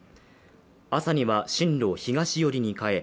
朝には進路を東寄りに変え